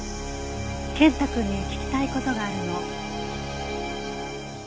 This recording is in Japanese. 健太くんに聞きたい事があるの。